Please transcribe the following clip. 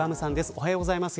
おはようございます。